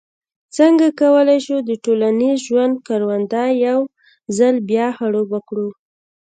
څنګه کولای شو د ټولنیز ژوند کرونده یو ځل بیا خړوبه کړو.